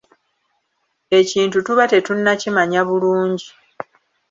Ekintu tuba tetunnakimanya bulungi.